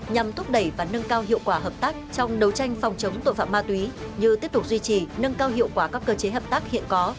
nhằm thúc đẩy và nâng cao hiệu quả hợp tác trong đấu tranh phòng chống tội phạm ma túy như tiếp tục duy trì nâng cao hiệu quả các cơ chế hợp tác hiện có